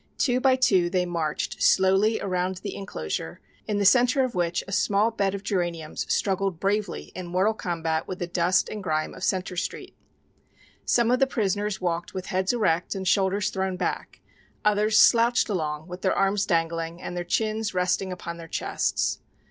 Two by two they marched slowly around the enclosure in the centre of which a small bed of geraniums struggled bravely in mortal combat with the dust and grime of Centre Street. Some of the prisoners walked with heads erect and shoulders thrown back, others slouched along with their arms dangling and their chins resting upon their chests.